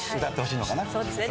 そうですね。